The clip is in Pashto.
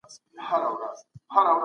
په سياسي خبرو اترو کي تل منطق وکاروئ.